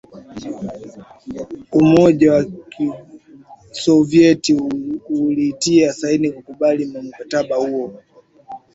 umoja wa kisovyeti ulitia saini kukubali mkataba huo